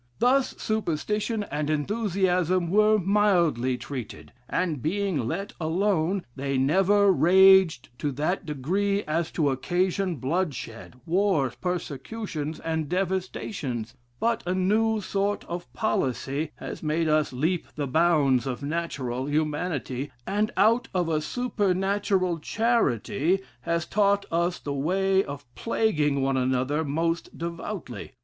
Thus superstition and enthusiasm were mildly treated; and being let alone, they never raged to that degree as to occasion bloodshed, wars, persecutions, and devastations; but a new sort of policy has made us leap the bounds of natural humanity, and out of a supernatural charity, has taught us the way of plaguing one another most devoutly.